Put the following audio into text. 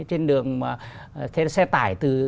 trên đường xe tải từ